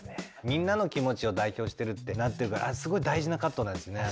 みんなの気持ちを代表してるってなってるからあれすごい大事なカットなんですね。